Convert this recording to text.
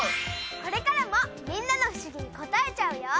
これからもみんなの不思議にこたえちゃうよ！